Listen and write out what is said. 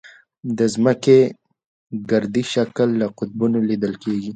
د ځمکې ګردي شکل له قطبونو لیدل کېږي.